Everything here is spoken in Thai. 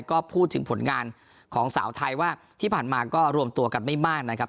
ก็พูดถึงผลงานของสาวไทยว่าที่ผ่านมาก็รวมตัวกันไม่มากนะครับ